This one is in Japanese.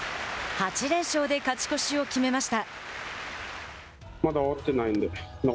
８連勝で勝ち越しを決めました。